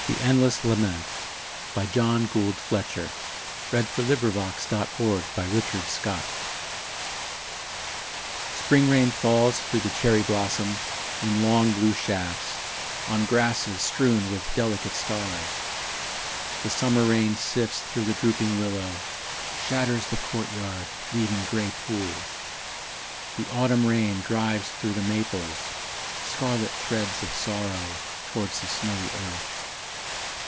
His will grow a towering stalk, Hers, a cowering flower under it. The Endless Lament Spring rain falls through the cherry blossom, In long blue shafts On grasses strewn with delicate stars. The summer rain sifts through the drooping willow, Shatters the courtyard Leaving grey pools. The autumn rain drives through the maples Scarlet threads of sorrow, Towards the snowy earth.